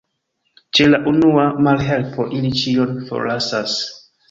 Ĉe la unua malhelpo, ili ĉion forlasas.